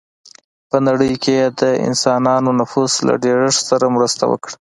په نړۍ کې یې د انسانانو نفوس له ډېرښت سره مرسته وکړه.